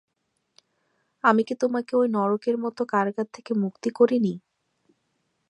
আমি কি তোমাকে ঐ নরকের মত কারাগার থেকে মুক্ত করিনি?